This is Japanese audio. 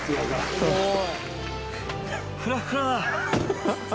すごい。